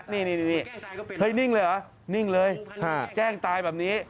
นี่นิ่งเลยเหรอแกล้งตายแบบนี้